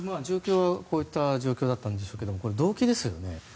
こういった状況だったんでしょうけど動機ですよね。